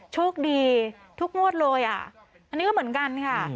โชคดีทุกงวดเลยอ่ะอันนี้ก็เหมือนกันค่ะ